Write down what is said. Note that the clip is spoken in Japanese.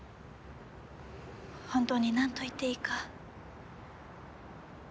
本当になんと言っていいか。